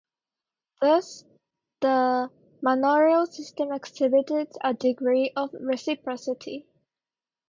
Thus the manorial system exhibited a degree of reciprocity.